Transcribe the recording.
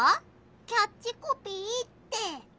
キャッチコピーって？